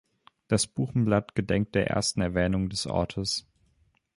Das Buchenblatt gedenkt der ersten Erwähnung des Ortes.